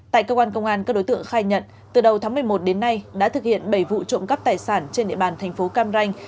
tại cơ quan công an các đối tượng khai nhận từ đầu tháng một mươi một đến nay đã thực hiện bảy vụ trộm cắp tài sản trên địa bàn thành phố cam ranh